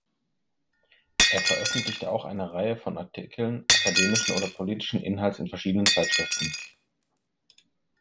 Er veröffentlichte auch eine Reihe von Artikeln akademischen oder politischen Inhalts in verschiedenen Zeitschriften.